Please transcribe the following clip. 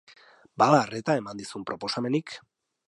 Bada arreta eman dizun proposamenik?